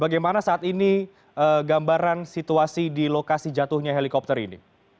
bagaimana saat ini gambaran situasi di lokasi jatuhnya helikopter ini